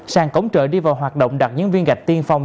sàn cổng chợ đi vào hoạt động đặt những viên gạch tiên phong